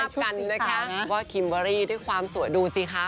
ยังพิสัยกันนะคะคือ๒๕๕ว่ากิมเบอรี่ด้วยความสวยดูสิคะ